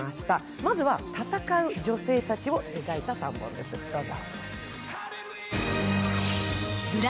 まずは戦う女性を描いた３本です、どうぞ。